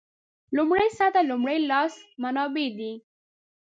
لومړۍ سطح لومړي لاس منابع دي.